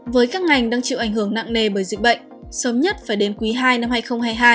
với các ngành đang chịu ảnh hưởng nặng nề bởi dịch bệnh sớm nhất phải đến quý ii năm hai nghìn hai mươi hai